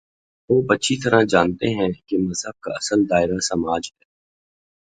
Pope اچھی طرح جانتے ہیں کہ مذہب کا اصل دائرہ سماج ہے۔